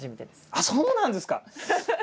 あっそうなんですか！